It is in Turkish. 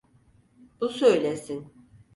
Bu söylesin